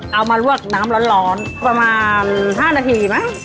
เอามาลวกนอนร้อนประมาณ๕นาทีมั้ย